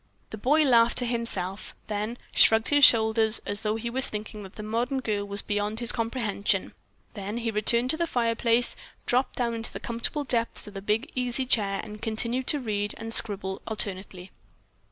The boy laughed to himself, then shrugged his shoulders as though he was thinking that the modern girl was beyond his comprehension. Then he returned to the fireplace, dropped down into the comfortable depths of a big easy chair and continued to read and scribble alternately.